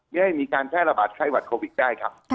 ไม่ให้มีการแพร่ระบาดไข้หวัดโควิดได้ครับ